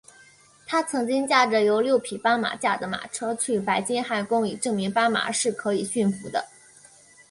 他曾经驾着由六匹斑马驾的马车去白金汉宫以证明斑马是可以驯服的。